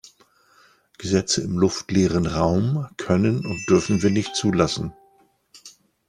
Gesetze im luftleeren Raum können und dürfen wir nicht zulassen.